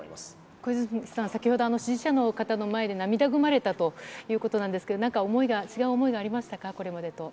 小泉さん、先ほど、支持者の方の前で涙ぐまれたということなんですけれども、なんか思いが、違う思いがありましたか、これまでと。